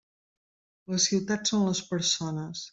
La ciutat són les persones.